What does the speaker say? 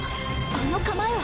あの構えは。